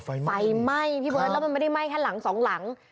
ไฟไหมไฟไหม้พี่เบิร์ตแล้วมันไม่ได้ไหม้แค่หลังสองหลัง